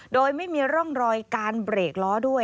โดยไม่มีร่องรอยการเบรกล้อด้วย